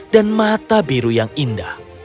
dan mata biru yang indah